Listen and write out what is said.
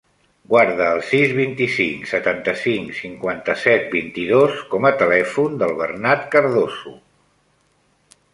Guarda el sis, vint-i-cinc, setanta-cinc, cinquanta-set, vint-i-dos com a telèfon del Bernat Cardoso.